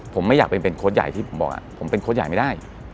ผมไม่อยากเป็นโค้ชใหญ่ที่ผมบอกผมเป็นโค้ชใหญ่ไม่ได้